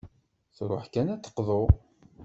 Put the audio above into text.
Truḥ kan ad d-teqḍu.